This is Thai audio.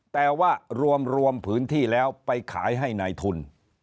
แต่ว่ารวมพื้นที่แล้วไปขายให้นายทุน